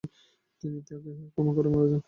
তিনি তাকে ক্ষমা করে মারা যান।